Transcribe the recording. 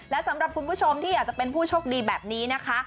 และสำหรับคุณผู้ชมที่อยากจะเป็นผู้โชคดีแบบนี้นะคะ